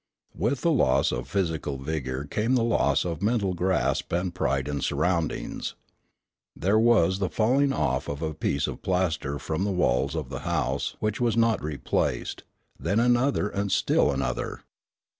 With the loss of physical vigour came the loss of mental grasp and pride in surroundings. There was the falling off of a piece of plaster from the walls of the house which was not replaced, then another and still another.